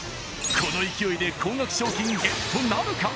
この勢いで高額賞金ゲットなるか？